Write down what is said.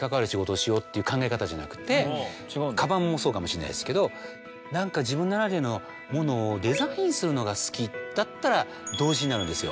カバンもそうかもしんないですけど何か自分ならではのものをデザインするのが好きだったら動詞になるんですよ。